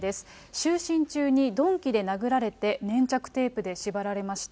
就寝中に鈍器で殴られて、粘着テープで縛られました。